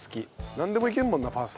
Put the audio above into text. なんでもいけるもんなパスタ。